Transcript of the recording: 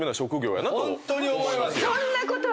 ホントに思いますよ。